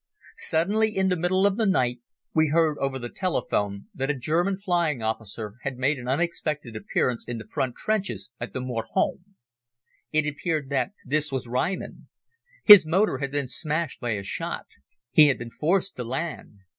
Suddenly, in the middle of the night, we heard over the telephone that a German flying officer had made an unexpected appearance in the front trenches at the Mort Homme. It appeared that this was Reimann. His motor had been smashed by a shot. He had been forced to land.